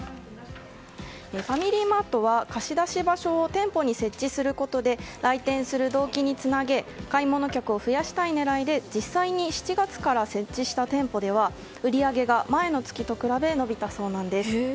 ファミリーマートは貸し出し場所を店舗に設置することで来店する動機につなげ買い物客を増やしたい狙いで実際に７月から設置した店舗では売り上げが前の月と比べ伸びたそうなんです。